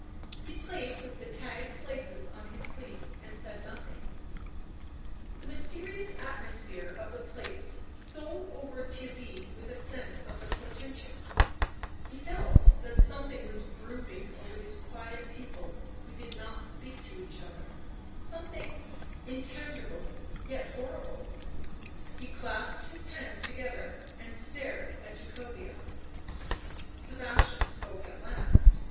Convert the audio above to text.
He played with the tagged laces on his sleeves and said nothing. The mysterious atmosphere of the place stole over Theirry with a sense of the por tentous ; he felt that something was brooding over these quiet people who did not speak to each other, something intangible, yet horrible ; he clasped his hands together and stared at Jacobea. Sebastian spoke at last.